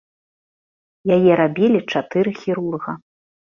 Яе рабілі чатыры хірурга.